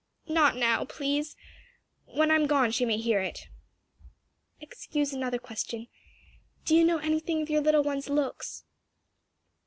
"Not now, please. When I am gone she may hear it." "Excuse another question. Do you know anything of your little one's looks?"